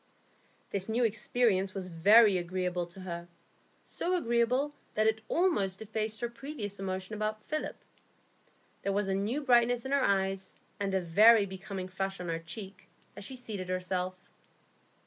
This new experience was very agreeable to her, so agreeable that it almost effaced her previous emotion about Philip. There was a new brightness in her eyes, and a very becoming flush on her cheek, as she seated herself.